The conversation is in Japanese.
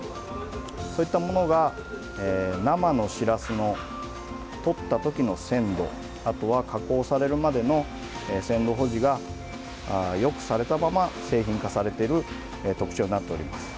そういったものが生のしらすのとった時の鮮度あとは加工されるまでの鮮度保持がよくされたまま製品化されている特徴になっております。